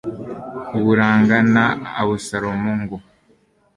uburanga na abusalomu ngo